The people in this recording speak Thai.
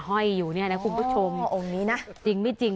ห้อยอยู่เนี่ยนะคุณผู้ชมองค์นี้นะจริงไม่จริง